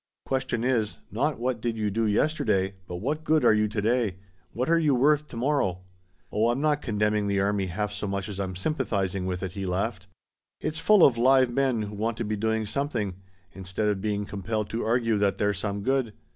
Question is not what did you do yesterday but what good are you to day what are you worth to morrow? Oh, I'm not condemning the army half so much as I'm sympathizing with it," he laughed. "It's full of live men who want to be doing something instead of being compelled to argue that they're some good.